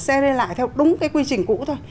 xe đi lại theo đúng cái quy trình cũ thôi